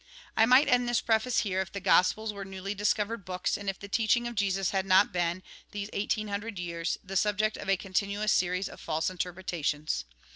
I might end this preface here, if the Gospels were newly discovered books, and if the teaching of Jesus had not been, these eighteen hundred years, the subject of a continuous series of false interpre tations.